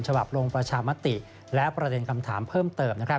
ลงประชามติและประเด็นคำถามเพิ่มเติม